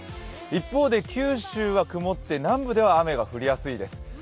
一方で九州は曇って南部では雨が降りやすいです。